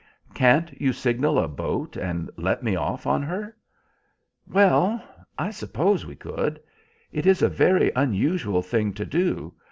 "Can't you signal a boat and let me get off on her?" "Well, I suppose we could. It is a very unusual thing to do.